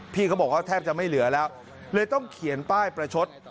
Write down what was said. พี่เขาบอกว่าแทบจะไม่เหลือแล้วเลยต้องเขียนป้ายประชด